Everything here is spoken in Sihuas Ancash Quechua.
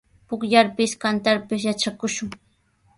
Pukllarpis, kantarpis yatrakushun.